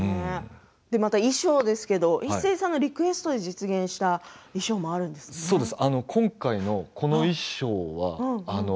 また衣装ですけれど一生さんのリクエストで実現した衣装もあるんですね。